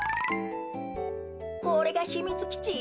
これがひみつきち？